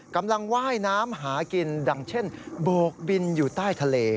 ว่ายน้ำหากินดังเช่นโบกบินอยู่ใต้ทะเล